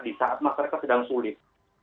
di saat masyarakat sedang sulit